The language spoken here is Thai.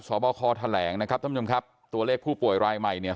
บคแถลงนะครับท่านผู้ชมครับตัวเลขผู้ป่วยรายใหม่เนี่ย